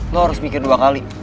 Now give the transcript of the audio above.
lo harus mikir dua kali